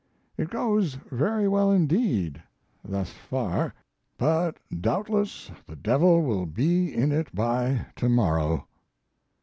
It goes very well indeed thus far; but doubtless the devil will be in it by tomorrow.